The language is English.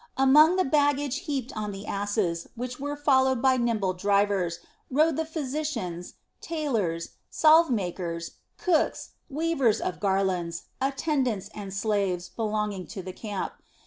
Among the baggage heaped on the asses, which were followed by nimble drivers, rode the physicians, tailors, salve makers, cooks, weavers of garlands, attendants, and slaves belonging to the camp.